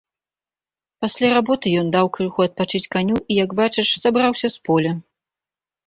Пасля работы ён даў крыху адпачыць каню і як бачыш сабраўся з поля.